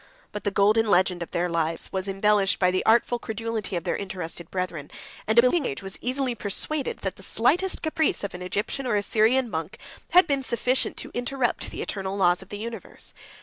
But the golden legend of their lives 73 was embellished by the artful credulity of their interested brethren; and a believing age was easily persuaded, that the slightest caprice of an Egyptian or a Syrian monk had been sufficient to interrupt the eternal laws of the universe.